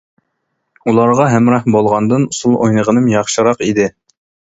ئۇلارغا ھەمراھ بولغاندىن ئۇسۇل ئوينىغىنىم ياخشىراق ئىدى.